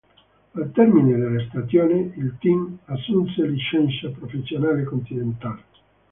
Al termine della stagione il team assunse licenza Professional Continental.